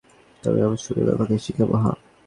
তুই আমাকে সুরের ব্যাপারে শিখাবি, হাহ?